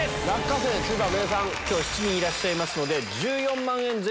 今日７人いらっしゃいますので。